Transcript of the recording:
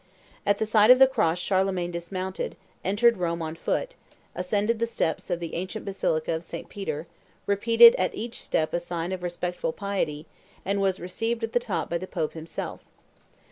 At sight of the cross Charlemagne dismounted, entered Rome on foot, ascended the steps of the ancient basilica of St. Peter, repeating at each step a sign of respectful piety, and was received at the top by the Pope himself.